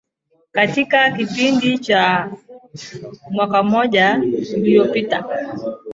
katika kipindi cha mwaka mmoja uliopita